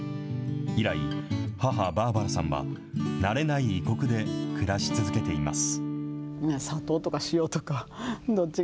以来、母、バーバラさんは慣れない異国で暮らし続けています。